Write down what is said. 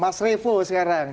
mas revo sekarang